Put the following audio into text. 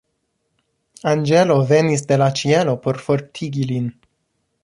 Anĝelo venis de la ĉielo por fortigi lin.